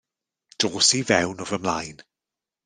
Dos i fewn o fy mlaen.